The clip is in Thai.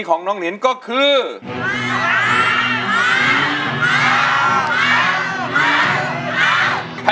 อินโทรเพลงที่๓มูลค่า๔๐๐๐๐บาทมาเลยครับ